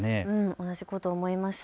同じことを思いました。